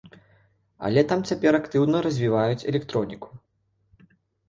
Але там цяпер актыўна развіваюць электроніку.